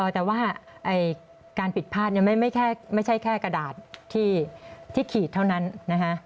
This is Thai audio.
แต่ว่าการผิดพลาดเนี่ยไม่ใช่แค่กระดาษที่ขีดเท่านั้นนะคะ